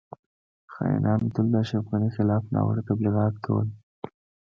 خاینانو تل د اشرف غنی خلاف ناوړه تبلیغات کول